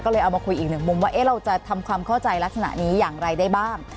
ก็เลยเอามาคุยอีกหนึ่งมุมว่าเราจะทำความเข้าใจลักษณะนี้อย่างไรได้บ้าง